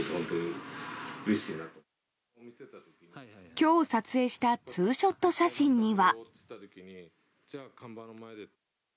今日、撮影したツーショット写真には。